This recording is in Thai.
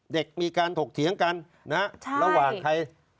เด็กมีการถกเถียงกันนะฮะระหว่างใคร